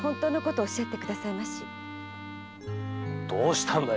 どうしたんだよ